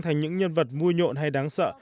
thành những nhân vật vui nhộn hay đẹp